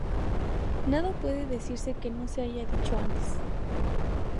Nada puede decirse que no se haya dicho antes